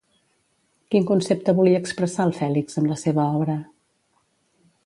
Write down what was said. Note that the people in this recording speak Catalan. Quin concepte volia expressar el Fèlix amb la seva obra?